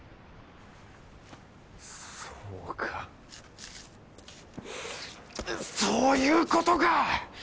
そうかそういう事か！